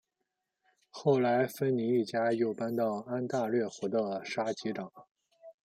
后来芬尼一家又搬到安大略湖的沙吉港。